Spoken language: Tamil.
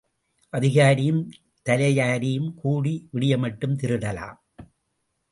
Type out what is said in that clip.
அதிகாரியும் தலையாரியும் கூடி விடியுமட்டும் திருடலாம்.